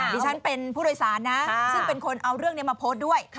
ดิฉันเป็นผู้โดยสารนะซึ่งเป็นคนเอาเรื่องนี้มาโพสต์ด้วย